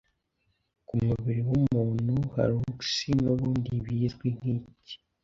Ku mubiri wumuntu Hallux Nubundi bizwi nkiki